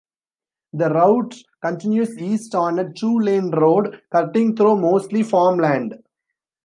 The route continues east on a two-lane road, cutting through mostly farmland.